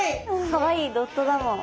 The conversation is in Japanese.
かわいいドットだもん。